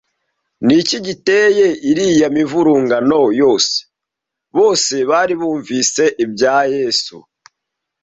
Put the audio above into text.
Ni iki giteye iriya mivumugano yose? Bose bari bumuvise ibya Yesu